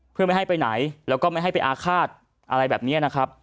เพื่อไม่ให้ไปไหนแล้วก็ไม่ให้ไปอาฆาตอะไรแบบนี้นะครับ